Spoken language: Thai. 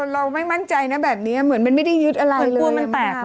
เราไม่มั่นใจนะแบบนี้เหมือนมันไม่ได้ยึดอะไรกลัวมันแตก